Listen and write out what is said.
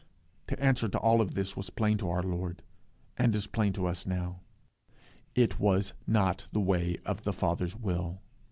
The answer to all this was plain to our Lord, and is plain to us now: It was not the way of the Father's will.